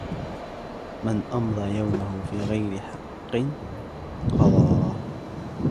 مَنْ أَمْضَى يَوْمَهُ فِي غَيْرِ حَقٍّ قَضَاهُ